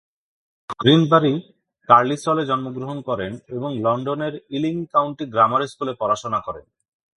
Greenbury কার্লিসলে জন্মগ্রহণ করেন এবং লন্ডনের ইলিং কাউন্টি গ্রামার স্কুলে পড়াশোনা করেন।